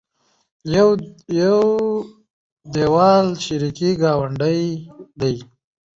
د يو دېول شریکې ګاونډۍ دي